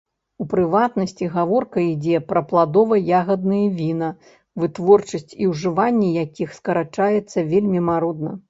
У прыватнасці, гаворка ідзе пра пладова-ягадныя віна, вытворчасць і ўжыванне якіх скарачаецца вельмі марудна.